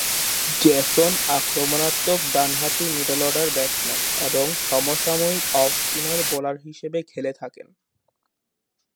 Jason আক্রমণাত্মক ডানহাতি middle order batsman এবং সম-সাময়িক অফ স্পিনার বোলার হিসেবে খেলে থাকেন।